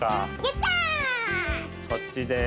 こっちです。